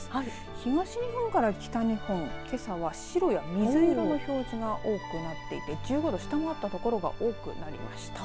東日本から北日本けさは白や水色の表示が多くなっていて１５度下回ったところが多くなりました。